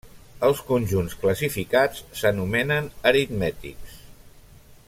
Els conjunts classificats s'anomenen aritmètics.